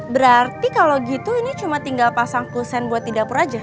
berarti kalau gitu ini cuma tinggal pasang kusen buat di dapur aja